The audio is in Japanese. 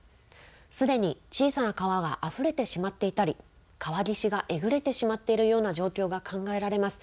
すでに小さな川があふれてしまっていたり川岸がえぐれてしまっているような状況が考えられます。